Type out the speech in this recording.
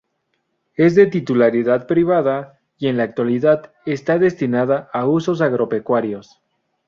Es de titularidad privada y, en la actualidad, está destinada a usos agropecuarios.